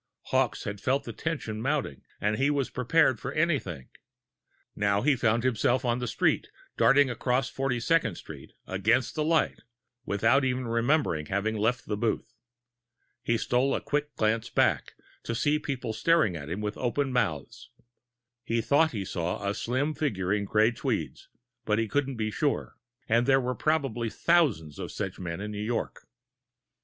Hawkes had felt the tension mounting, and he was prepared for anything. Now he found himself on the street, darting across Forty second Street against the light, without even remembering having left the booth. He stole a quick glance back, to see people staring at him with open mouths. He thought he saw a slim figure in gray tweeds, but he couldn't be sure and there were probably thousands of such men in New York.